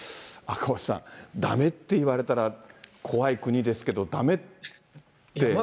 赤星さん、だめって言われたら怖い国ですけど、だめって。